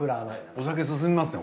お酒進みますね